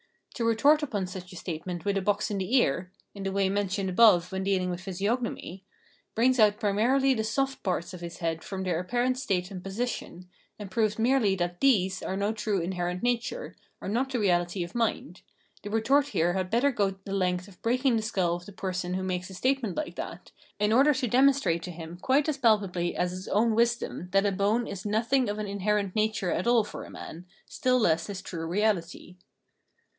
To retort upon such a statement with a box in the ear — in the way mentioned above when dealing with physiognomy — brings out primarily the " soft " parts of his head from their apparent state and position, and proves merely that these are no true inherent nature, are not the reahty of mind ; the retort here had better go the length of breaking the skull of the person who makes a statement like that, in order to demonstrate to him quite as palpably as his own wisdom that a bone is nothing of an inherent nature at all for a man, still less his true reahty.